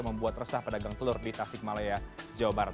yang membuat resah pedagang telur di tasikmalaya jawa barat